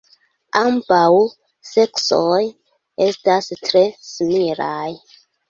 Ambaŭ seksoj estas tre similaj.